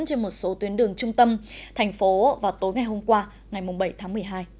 trên một số tuyến đường trung tâm thành phố vào tối ngày hôm qua ngày bảy tháng một mươi hai